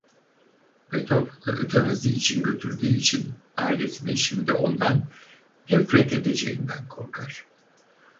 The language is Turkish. Beethoven'ı ötenazi için götürdüğü için ailesinin şimdi ondan nefret edeceğinden korkar.